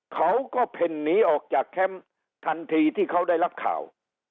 เขาก็เพ่นหนีออกจากแคมป์ทันทีที่เขาได้รับข่าว